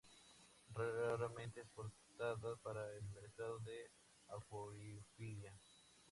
Raramente exportada para el mercado de acuariofilia.